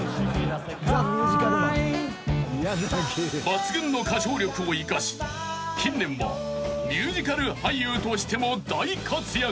［抜群の歌唱力を生かし近年はミュージカル俳優としても大活躍］